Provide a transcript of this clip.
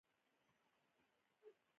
د ډبرو سرونه توربخوني وو.